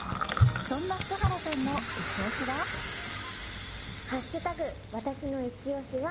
そんな福原さんのいちオシは？＃